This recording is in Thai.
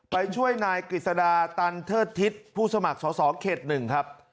ไปช่วยนายกฤษดาตันเทิดทิศผู้สมัครสอสอเขต๑ครับ